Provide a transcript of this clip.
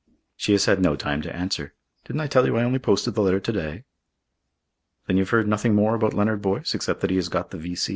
"She has had no time to answer. Didn't I tell you I only posted the letter to day?" "Then you've heard nothing more about Leonard Boyce except that he has got the V.